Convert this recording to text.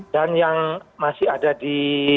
dan yang masih ada di